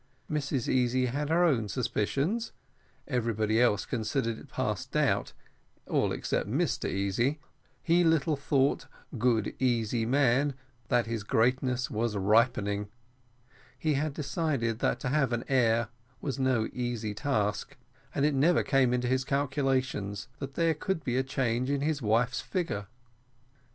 Mrs Easy had her own suspicions, everybody else considered it past doubt, all except Mr Easy; he little "thought, good easy man, that his greatness was ripening;" he had decided that to have an heir was no easy task, and it never came into his calculations that there could be a change in his wife's figure.